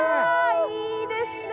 いいですね！